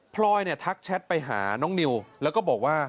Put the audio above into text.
พลอยเนี่ยทักแชทไปหาน้องนิวแล้วก็บอกว่า